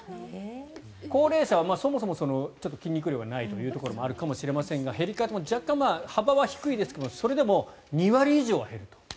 高齢者はそもそも筋肉量がないというところもあるかもしれませんが減り方も若干幅は低いですがそれでも２割以上は減る。